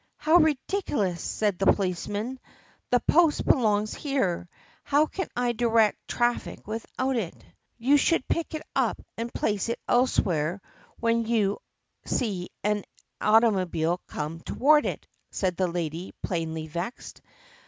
"How ridiculous!" said the policeman. "This post belongs here. How can I direct traffic without it?" "You should pick it up and place it elsewhere when you see an automobile come toward it," said the lady plainly vexed.